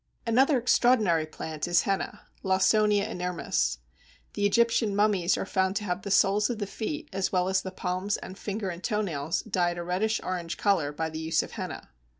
Another extraordinary plant is Henna (Lawsonia inermis). The Egyptian mummies are found to have the soles of the feet, as well as the palms and finger and toe nails, dyed a reddish orange colour by the use of henna.